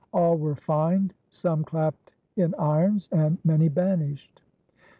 All were fined, some clapped in irons, and many banished.